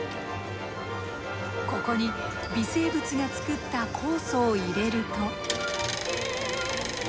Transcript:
ここに微生物が作った酵素を入れると。